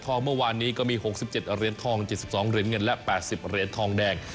เมื่อวานนี้ก็มี๖๗เหรียญทอง๗๒เหรียญเงินและ๘๐เหรียญทองแดง